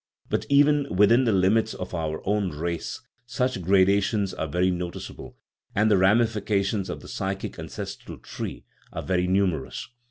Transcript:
But even within the limits of our own race such gradations are very noticeable, and the ramifications of the " psy chic ancestral tree " are very numerous.